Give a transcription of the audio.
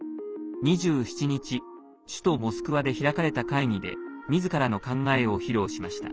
２７日首都モスクワで開かれた会議でみずからの考えを披露しました。